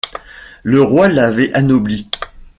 Le roi l’avait anobli.